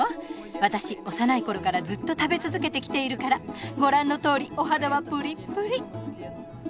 私幼い頃からずっと食べ続けてきているからご覧のとおりお肌はプリップリ。